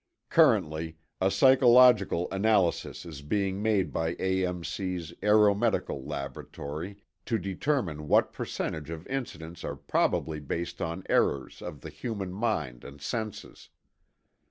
Currently, a psychological analysis is being made by A.M.C.'s Aero Medical laboratory to determine what percentage of incidents are probably based on errors of the human mind and senses.